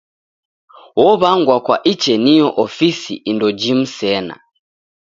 Ow'angwa kwa icheniyo ofisi indo jimu sena.